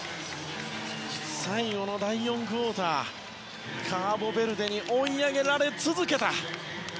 最後の第４クオーターカーボベルデに追い上げられ続けた。